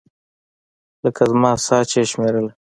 لکه زما ساه چې يې شمېرله.